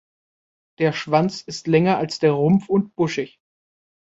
Der Schwanz ist länger als der Rumpf und buschig.